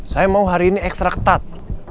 saya mau hari ini ekstra ketat